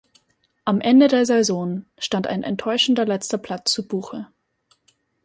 Am Ende der Saison stand ein enttäuschender letzter Platz zu Buche.